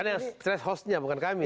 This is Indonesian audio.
karena yang stres hostnya bukan kami